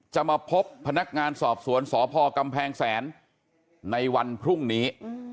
จะมาพบพนักงานสอบสวนสพกำแพงแสนในวันพรุ่งนี้